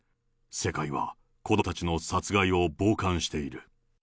世界は子どもたちの殺害を傍観している。